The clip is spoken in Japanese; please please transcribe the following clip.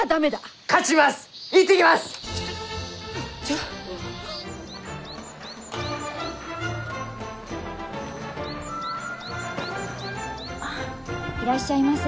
あいらっしゃいませ。